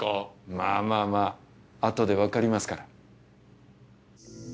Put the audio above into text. まあまあまああとでわかりますから。